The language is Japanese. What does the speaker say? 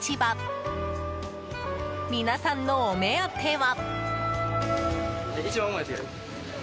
皆さんのお目当ては。